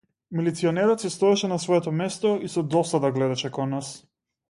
Милиционерот си стоеше на своето место и со досада гледаше кон нас.